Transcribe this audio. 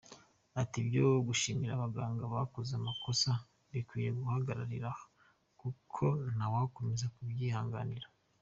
Ati "Ibyo guhishira abaganga bakoze amakosa bikwiye guhagararira aha, kuko ntawakomeza kubyihanganira.